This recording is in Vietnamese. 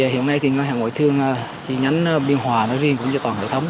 hiện nay ngân hàng ngoại thương chi nhánh biên hòa riêng cũng như toàn hệ thống